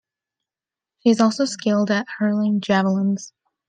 She is also skilled at hurling javelins.